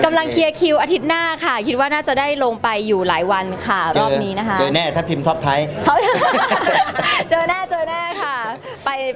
กำลังเคลียร์คิวอาทิตย์หน้าค่ะคิดว่าน่าจะได้ลงไปอยู่หลายวันค่ะรอบนี้นะคะ